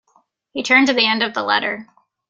He turned to the end of the letter.